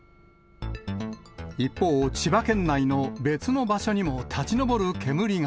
一方、千葉県内の別の場所にも立ち上る煙が。